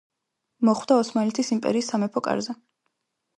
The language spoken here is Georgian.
მოხვდა ოსმალეთის იმპერიის სამეფო კარზე.